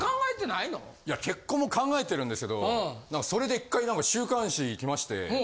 いや結婚も考えてるんですけどそれで１回なんか週刊誌来まして。